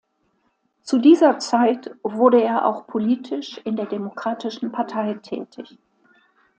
Zu dieser Zeit wurde er auch politisch in der Demokratischen Partei tätig.